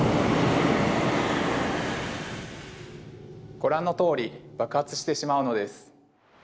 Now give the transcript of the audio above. ご覧のとおり爆発してしまうのです。